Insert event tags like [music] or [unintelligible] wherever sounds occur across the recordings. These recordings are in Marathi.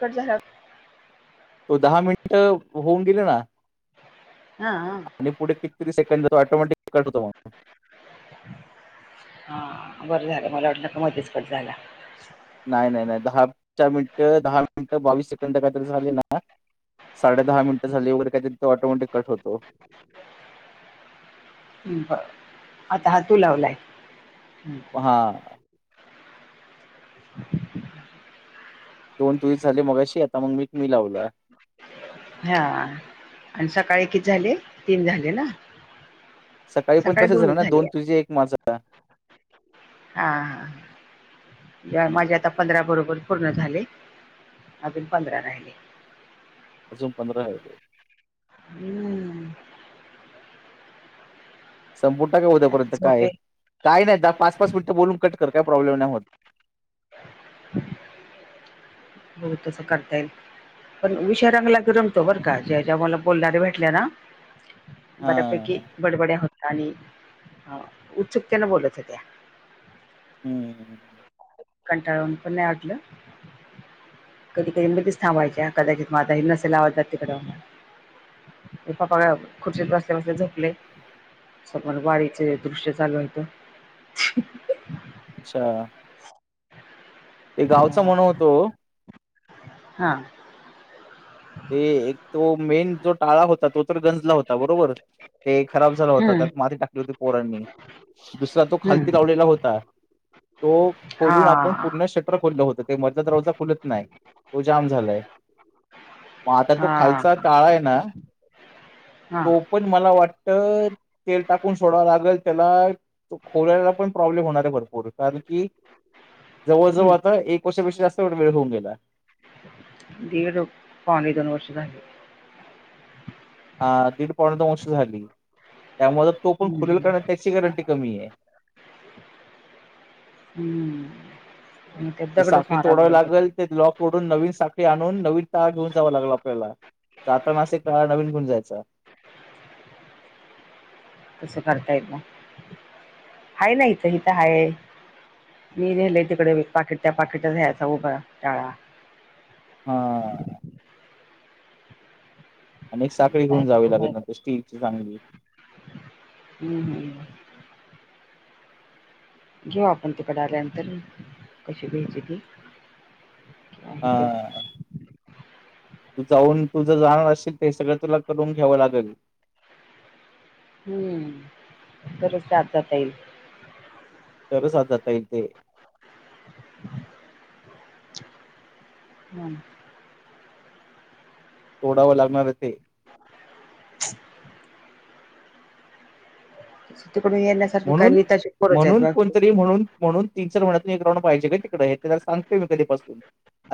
श झाक. तो दहा मिनिट होऊन गेले ना. हा हा. आणि पुढे किती सेकंड द ऑटोमॅटिक कतो म हा बरं झालं मला वाटलं का मध्येच कट झाला. नाही नाही नाही दहा चार मिनिटं दहा मिनिट बावीस सेकंड काहीतरी झाले ना. साडे दहा मिनटं झाली वगर काही तरी ऑटोमॅटिक कट होतो. बर आता ह तू लावलाय. हा. [inaudible] दोन तुवस झाले मगाशीेतता मग मी मी लावलं. हा आणि सकाळी किच झाले तीन झाले ना. सकाळी पण तसे झालं ना दोन तुझी एक माझा. हा ह हम्म, माझे आता पंधरा बरोबर. पूर्ण झाले अज पंधरा राहिले. अजून पंधराले. हम्म. संपूर्ण ट काय आता उद्यापर्यंत काय झोपे काय नाही दहा पाच पाच मिनिटं बोलून कट कर काय प्रॉब्लेम नाही होत. [inaudible] हो तसं करता येईल. पण विषय रंगला क रमतो बरं का ज्याच्या मला बोलणारऱे भेटल्या ना. हा बऱ्यापैकी बडबड्या होत्या आणि अ उत्सुकतेन बोलत होत्या हम् कंटाळून पण नाही वाटल कधी कधी कधीच थांबायच्या कदाचित माझा हि नसेला आवाज जात तिकडला पापा का खुर्शीत बसले बसले झपले समर वाारीच दृश्य चालू यत अच्छा ते गावचा म्हण होतो हा ते एक तो मेन जो टाळा होता तो गंजला होता बरोबर ते खराब झाला होता हम्म त्यात माती टाकली होती पोरांनी दुसरा तो खालती हम्म लावलेला होता तो हा खोलून आपण पूर्ण शटर खोललं होत का मधला तर रवजा खुलत नाही तो जाम झालाय मग आता तो हा खालचा काळा आहे ना हा तो पण मला वाटत तेल टाकून सोडावं लागेल त्याला तो खोलाला पण प्रॉब्लेम होणार आहे भरपूर कारण की जवळजवळ हम्म आता एक वर्षापेक्षा जास्त वेळ होऊन गेला दीड पाणे दोन वर्ष अ दीड पाणे दोन वश झाली त्यामुळे तो पण खुलेल हम्म कारण त्याची गॅरंटी कमी आहे हम्म म ती त्याच्याकडेच साखळी तोडावी मारालं हो लागेल ते लॉक डून नवीन साखळी आणून नवीन ता घेऊन जाव लागला आपल्याला जाता मासिक काळा नवीन गुण जायचा तसं करता येत ना ह ना इथं इथं हाय मी नेहिलेय तिकडे पाकीिट त्या पाकिटच या्यायचा उभ टाळा हा आणि एक साखळी काय घेऊन जावी लागत नांतर स्टीलची चांगली हम्म हम्म घेऊ आपण त पडे आल्यानंतर कशी भ्याजली तर हा. तू जाऊन तुझ जाणार असशल ते सगळं तुला करून घ्यावं लागेल हम्म बच आ जात येईल ज सा जाता येते हम् तोडावं लागणार ते तिकडून येण्यासारखं का नताशरच आहेत बा म्हण म्हणून तीन चार म एक राऊड पाहिजे काय तिकडे सगतोय मी कधीपासून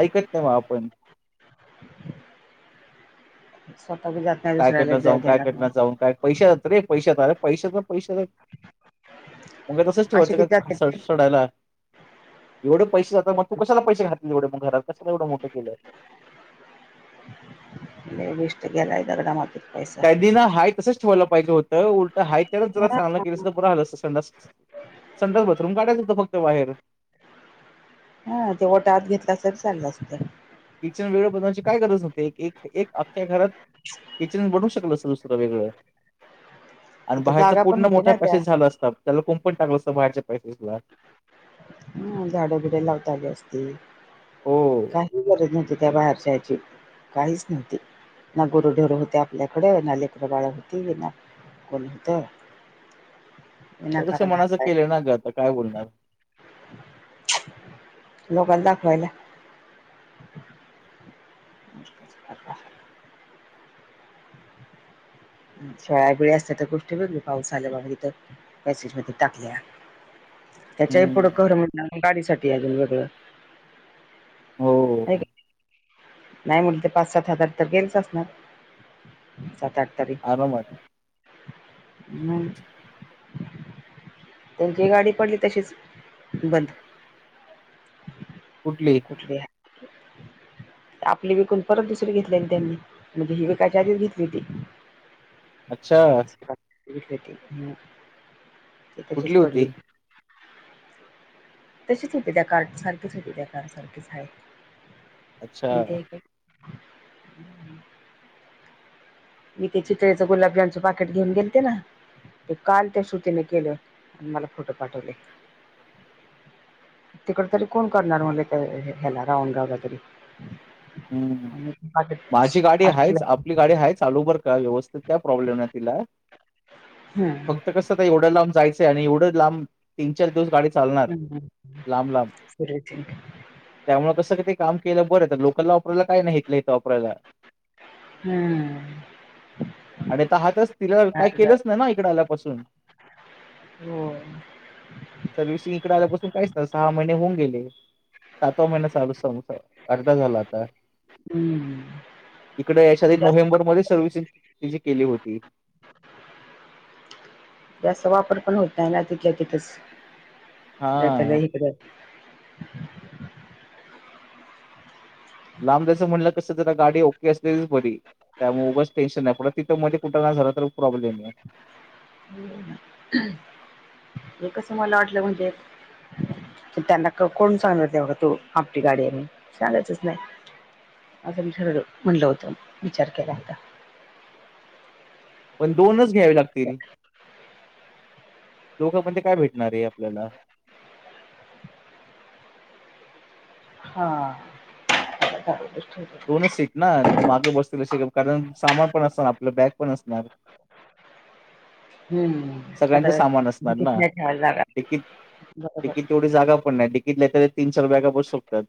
ऐकत नाही म आपण सतकजात कायकडनं जाऊन कायकडनं जाऊन काय पैशा जात रे पैशात आरे पैशात ना पैशा जात मगे तसच असे ठेवायचं किती जातात कासडायला एवढे पैसे जात म त कसाला पैसे खातील एवढेग घरात कशला एवढं मोठं केलं बीसट गेलाय दगडा मात त्यादीना हा तसंच ठेवायला पाहिजे होतं उलटाय त्याच जरा हा चांगलं के लं अस संड संडास बाथरूम काढायचं होतं फक्त बाहेर हा ते वटाहात घेतला तररी चालला असत किचन वेगळं बनण्याची काय गरज नवते एक एक आख्या घरात किचन बनवू शकल असुसत वेगळं आणि तिथं बाहेरच जागा पण पूर्ण होती मोठा ना त्या पॅसेस झाला असतात त्याला कोण पण टाकलं असतं बाहेरच्या पैसेस ला हम झाडंबिडे लावता गे असती हो काही गरज नव्हती त्या बाहेरच्या याची काहीच नव्हती ना गुरुढरू होते आपल्याकडे ना लेकडं बाळ होती ना कोण होत बश मनाच केलं नाही ग आता काय बोलणार लोकल ज खला मु शाळा वेळी असत तर गोष्टी बघली पाऊस आल्या बाघ तथ मॅसेज मध्ये टाकल्या त्याच्याही पुढं हम्म. खरं म्हणणार गाडीसाठीठी अजून वेगळं नाही हो का नाही मुल ते पाच सात हजार तर गेलच असणार सात आठ तरी आरामात म त्यांची गाडी पडली तशीच बंद कुठली उठली आहे आपली विकून परत दुसरी घेतलेली त्यांनी म्हणजे ही विकयच्या आधीच घेतली होती अच्छा ले ते तशीच कुठली होती पडली तशीच होते त्या कारड सारखेच होते त्या कारड सारखेच आहे कोणते अच्छा. मी ते चितळेच गुलाबजामचं पाकेट घेऊन गेलते ना? ते काल त्या छोटीने केलं आणि मला फोटो पाठवले. तिकड तरी कोण करणार म्हलं ह्याला राहून गावला तरी हम्म आणि माझी गाडी पाठवले आहेाच आपली गाडी आहेच. चालू बर का व्यवस्थित काय प्रॉब्लेम आहे तिला हम्म फक्त व्यवास्थिती एवढं लांब जायचं आणि एवढं लांब तीन चार दिवस गाडी चालणार हम् लांब, लांब. सुर त्यामुळे कसं क ते काम केलं बरं लोकलला वापरायला काही नाही इथलं इथं वापरायला. हम्म आणि तहातच तिला काय केलंच नाय ना इकड आलयां पसून होय. सर्व्हिसिंग इकडे आल्यापासून काहीचत सहा महिने होऊन गेले. सातवा महिना चालू स अर्धा झाला आता. हम्म. इकडे यायच्या आधी जास्त नोव्हेंबर मध्ये सर्व्हिसिंग त्याची केली होती. जास्त वापर पण होत नाही ना तिथल्या तिथच येताना हां. इकडे [unintelligible] लांब जा्यायचं म्हणलं कसं जरा गाडी ओके असलेलीच बरी. त्यामुळे उगच टेन्शन नाही पण तिथं मध्ये कुठलकाय झालं तर प्रॉब्लेम आहे. हे कसं मला वाटलं म्हणजे त्यांना कोण सांगणार तेवढं तू आपली गाडीये म्हणून सांगायचंच नाही. असं मी सगळं म्हटलं होतं विचार केला होता. पण दोनच घ्यावे लागतील दोघं पण ते काय भेटणार ये आपल्याला? हा [unintelligible] दोनच सीट ना मागे बसतील असे कारण सामान पण असणार आपलं बॅग पण असणार. हम्म. सगळ्यांचे आता सामान असणार तिकीट ना नाही ठेवायला लागणार. डिकीत बरोबर. डिकीत तेवढी जागा पण नाही. डिकीततीन चार बॅगा बसु शकतात.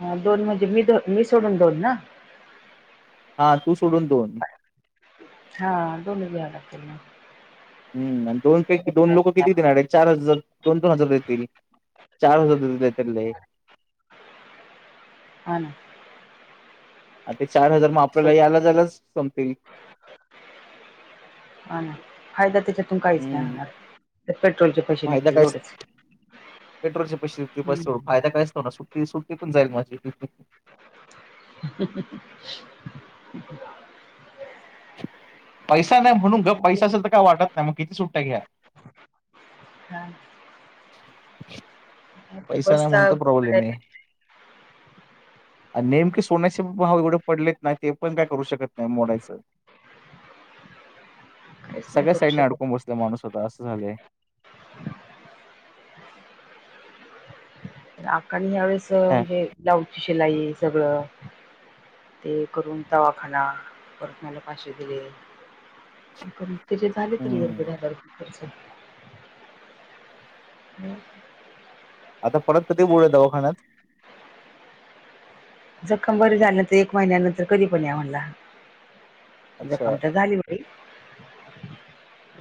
हा दोन म्हणजे मी द मी सोडून दोन ना? हा तू सोडून दोन. हा दोन्हीयालाातना. हम् दोन काही दोन लोकं किती घेणार? देणार आहे चार हजार दोन दोन हजार देतील चार हजार देतील काही त्यातले. ह ना. आ ते चार हजार मग तर आपल्याला याला जायलाच संपतील. हाना फायदा त्याच्यातून काहीच नाही हम्म होणार पेट्रोलचे पैसे निगतील एवढेच. [inaudible] पेट्रोलच्या पैसे [unintelligible] हं. फायदा कायच ना सुट्टी -सुट्टी पण जाईल माझी. [inaudible] ह. [inaudible] पैसा नाही म्हणून गप पैसा असेल तर काय वाटत नाही मग किती सुट्या घ्या. हां. [inaudible] आता पैसा नाही म्हणून बसचा तर प्रॉब्लेम आहे. नेमके सोन्याचे भाव एवढे पडलेत ना ते पण काय करू शकत नाही मोडायचं. काहीच नाही सगळ्या करू साईडने शकत. अडकून बसला माणूस स्वतः असं झालंय. आकानी ह्या वेळेस काय म्हणजे ब्लाऊजची शिलाई सगळं ते करून दवाखाना परत मला पाचशे दिले. पण तेचे झाले तरी पण [unintelligible] दहा हम्म. बारा हजार खर्च ह. [inaudible] आता परत कधी बोलवलय दवाखान्यात? [inaudible] जखम बरी झालीनाही तर एक महिन्यानंतर कधी पण या म्हणला अच्छा जखम तर झाली ब ह [inaudible]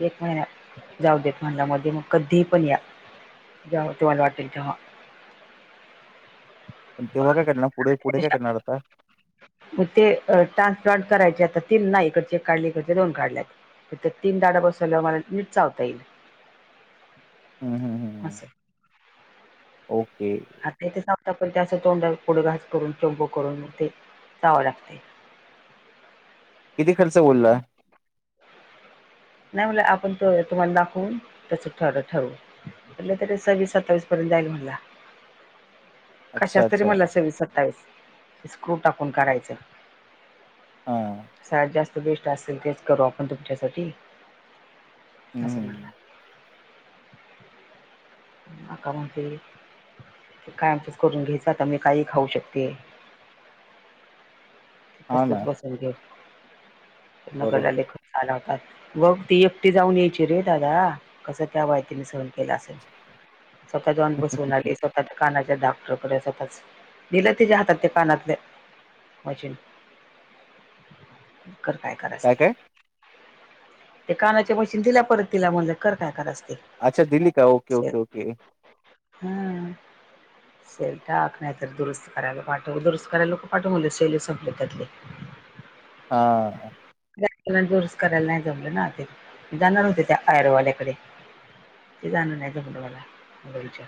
एक महिन्यात जाऊ देत म्हटलामध्ये मग कधीही पण या जेव्हा तुम्हाला वाटेल तेव्हा [inaudible] पण तेव्हा काय करणार पुढे- पुढे काय करणार आता? मग ते ट्रान्सप्लांट करायचे आ तीन नाही इकडचे एक काढले इकडचे दोन काढलेत तिथे तीन दाडा बसवल्याव मला नीट चावता येईल हम्म- हम्म -हम्म अस ओके आता इथे वतापर्यंत असं तोंड पुडं घास करून चोंबू करून ते चावावं लागते [inaudible] किती खर्च बोलला? नाही म्हटला आपण त -तुम्हाला दाखवून तस ठर- ठरवू. [inaudible] म्हटलं तरी सव्वीस सत्तावीस पर्यंत जाईल म्हनला. [inaudible] अच्छा कशाच तरी अच्छा मला सव्वीस सत्तावीस स्क्रू टाकून करायचं हा साळ्यात जास्त बेस्ट असेल तेच करू आपण तुमच्यासाठी हम्म असं म्हनला हम्म. [inaudible] आक्का म्हणते काय आमचच करून घ्यायचं आता मी काही खाऊ शकते [inaudible] हा तसलच ना बसून घे नगरला बरोबर ले खर्च आला होतात बघ ती एकटी जाऊन यायची रे दादा कसं त्या बायतीने सहन केला असेल स्वतःत जाऊन बसून आले स्वतः कानाच्या दा [unintelligible] कच दिलं तिच्या हातात त्या कानातल्या मशीन कर काय करायच ते [inaudible] ते कानाच्या मशीन दिल्या परत तिला म्हणले कर काय करायच ते अच्छा दिली का ओके- ओके -ओके [inaudible] हम्म शेल टाक नाही तर दुरुस्त करायला पाठव दुरुस्त करायला नको पाठवून म्हटलं शेलच स पलेत त्यातले [inaudible] हा [unintelligible] दुरुस्त करायला नाही जमलं ना जाणार होते त्या ऍडवाल्याकडे [inaudible] [inaudible] ते जाण नाही त [unintelligible] त मलाच्या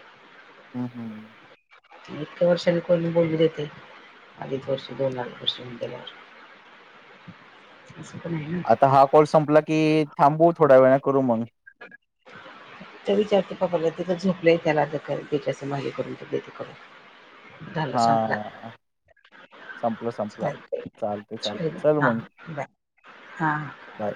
हम्म -हम्म [inaudible] इतक्या वर्षाने कोणी बोलली देते अधीच वर्षी दोन न वर्ष होऊन गेल्यावर [inaudible] [inaudible] अस पण हाय ना आता हा कॉल संपला कि थांबू थोड्या वेळान करू मग [inaudible] तर विचारतो बापाला तिथं झोपलं त्याला बच्याचं [unintelligible] मागे करून ते करून झालं संपला हा संपलं संपलं चालतंय चालते चालते चल हा मग बाय हा बाय